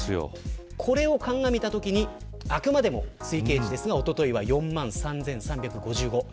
これを鑑みるとあくまで推計値ですがおとといは４万３３５５人